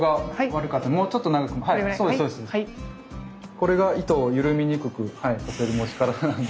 これが糸を緩みにくくさせる持ち方なんでまずこれを。